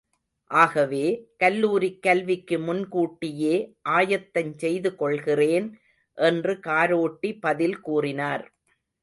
ஆகவே, கல்லூரிக் கல்விக்கு முன் கூட்டியே, ஆயத்தஞ் செய்து கொள்கிறேன் என்று காரோட்டி பதில் கூறினார்.